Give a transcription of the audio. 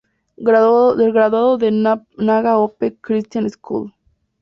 Graduado de Naga Hope Christian School.